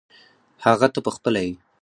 هغه ته پخپله یې .